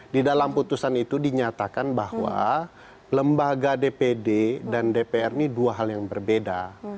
di dalam putusan itu dinyatakan bahwa lembaga dpd dan dpr ini dua hal yang berbeda